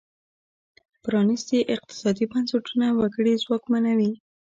پرانیستي اقتصادي بنسټونه وګړي ځواکمنوي.